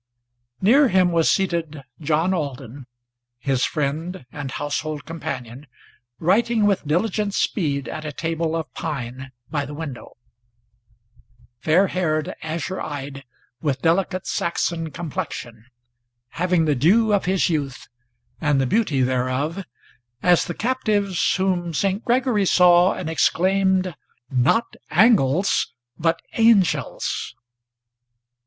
Near him was seated John Alden, his friend, and household companion, Writing with diligent speed at a table of pine by the window; Fair haired, azure eyed, with delicate Saxon complexion, Having the dew of his youth, and the beauty thereof, as the captives Whom Saint Gregory saw, and exclaimed, "Not Angles, but Angels."